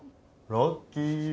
ラッキー。